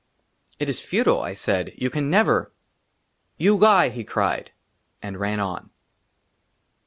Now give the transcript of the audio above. " IT IS FUTILE," I SAID, YOU CAN NEVER "YOU LIE," HE CRIED, AND RAN ON.